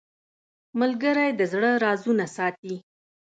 ملګری د زړه رازونه ساتي